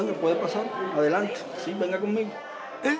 えっ？